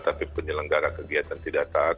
tapi penyelenggara kegiatan tidak taat